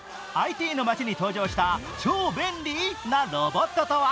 ＩＴの街に登場した超便利？なロボットとは？